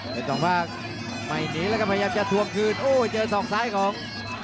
เพชรสองภาคไปหนีแล้วกันครับพยายามจะทวงคืนโอ้เจอส่องซ้ายของ